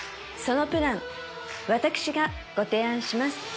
そのプラン私がご提案します